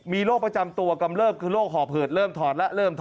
มีโรคประจำตัวกำเริบคือโรคหอบหืดเริ่มถอดแล้ว